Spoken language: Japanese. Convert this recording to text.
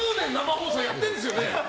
放送やってるんですよね。